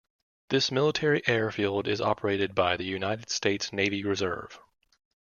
This military airfield is operated by the United States Navy Reserve.